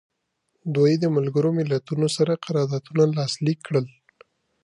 دوی د ملګرو ملتونو سره قراردادونه لاسلیک کړل.